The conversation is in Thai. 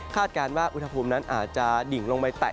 คาดการณ์ว่าวิทยาภูมินั้นอาจจะดิ่งลงไปแตะ